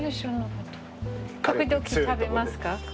ここで時々食べますか？